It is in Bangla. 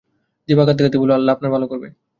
দিপা কাঁদতে-কাঁদতে বলল, আল্লাহ আপনার ভালো করবে।